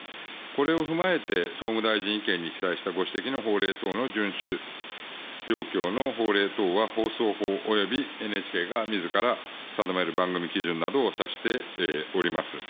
これを踏まえて、総務大臣意見に記載したご指摘の法令等の順守状況の法令等は、放送法およびＮＨＫがみずから定める番組基準などを指しております。